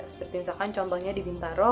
seperti misalkan contohnya di bintaro